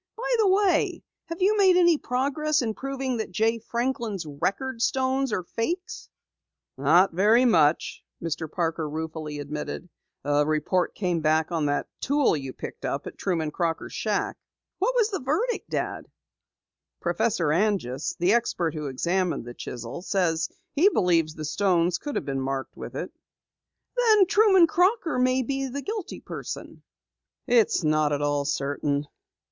By the way, have you made any further progress in proving that Jay Franklin's record stones are fakes?" "Not very much," Mr. Parker ruefully admitted. "A report came back on that tool you picked up at Truman Crocker's shack." "What was the verdict, Dad?" "Professor Anjus, the expert who examined the chisel, says he believes the stones could have been marked with it." "Then Truman Crocker may be the guilty person!" "It's not at all certain.